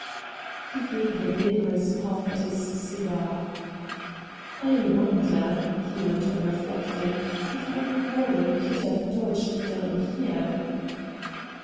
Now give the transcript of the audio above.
He gave a vigorous puff at his cigar. * I wonder,' he went on reflecting, ^ if my quarry could have dodged down here.'